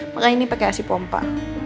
maka ini pakai asipompa